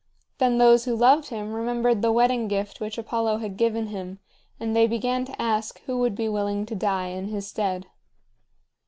Then those who loved him remembered the wedding gift which Apollo had given him, and they began to ask who would be willing to die in his stead.